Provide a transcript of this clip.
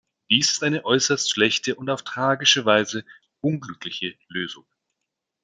Dies ist eine äußerst schlechte und auf tragische Weise unglückliche Lösung.